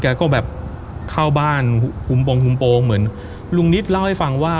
ก็แบบเข้าบ้านหุมโปรงหุมโปรงเหมือนลุงนิดเล่าให้ฟังว่า